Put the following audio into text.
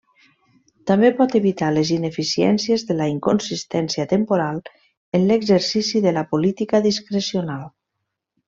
També pot evitar les ineficiències de la inconsistència temporal en l'exercici de la política discrecional.